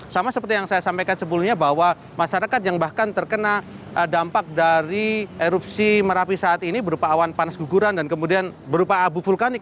sama seperti yang saya sampaikan sebelumnya bahwa masyarakat yang bahkan terkena dampak dari erupsi merapi saat ini berupa awan panas guguran dan kemudian berupa abu vulkanik